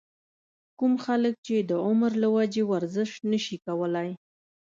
کوم خلک چې د عمر له وجې ورزش نشي کولے